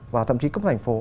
và thậm chí cấp thành phố